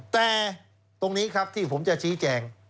แต่ตรงนี้ครับที่ผมจะชี้แจง